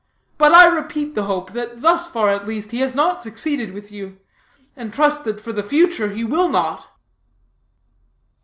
But I repeat the hope, that, thus far at least, he has not succeeded with you, and trust that, for the future, he will not."